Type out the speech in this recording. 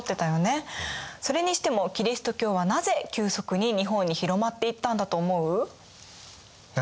それにしてもキリスト教はなぜ急速に日本に広まっていったんだと思う？